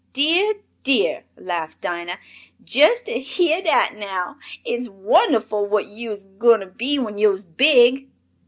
"Dear! dear!" laughed Dinah. "Jess to heah dat now! It's wonderful wot yo' is gwine to be when yo' is big."